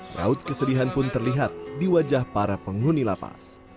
raut kesedihan pun terlihat di wajah para penghuni lapas